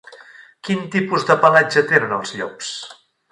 Quin tipus de pelatge tenen els llops?